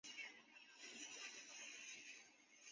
拉扎克德索西尼亚克。